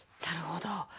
なるほど。